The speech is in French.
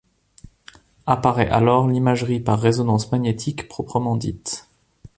Apparaît alors l’imagerie par résonance magnétique proprement dite.